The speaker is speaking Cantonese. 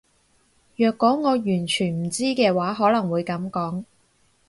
若果我完全唔知嘅話可能會噉講